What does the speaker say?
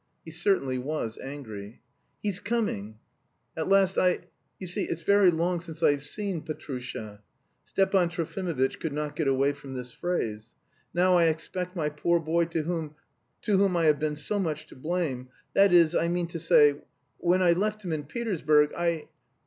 He certainly was angry. "He's coming! At last I... you see, it's very long since I've seen Petrusha!" Stepan Trofimovitch could not get away from this phrase. "Now I expect my poor boy to whom... to whom I have been so much to blame! That is, I mean to say, when I left him in Petersburg, I...